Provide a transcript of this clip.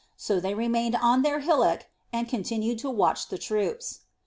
So they remained on their hillock and continued to watch the troops.